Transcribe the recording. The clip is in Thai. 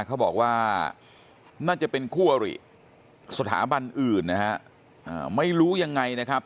เขาบอกว่าน่าจะเป็นคู่อริสถาบันอื่นนะฮะไม่รู้ยังไงนะครับ